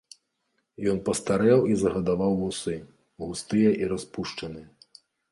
Ён пастарэў і загадаваў вусы, густыя і распушаныя.